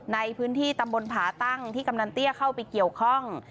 ในพื้นที่ตำบลผาตั้งที่กำนันเตี้ยเข้าไปเกี่ยวข้อง